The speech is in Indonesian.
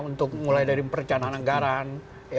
untuk mulai dari perencanaan anggaran